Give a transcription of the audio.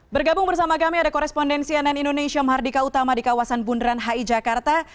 bergabung bersama kami ada korespondensi ann indonesia mahardika utama di kawasan bundaran hi jakarta